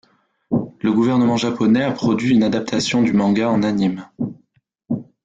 Le gouvernement japonais a produit une adaptation du manga en anime.